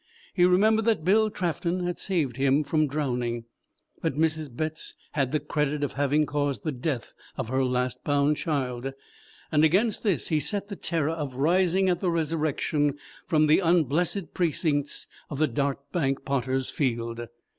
He remembered that Bill Trafton had saved him from drowning; that Mrs. Betts had the credit of having caused the death of her last bound child; and against this he set the terror of rising at the Resurrection from the unblessed precincts of the Dartbank Potter's Field.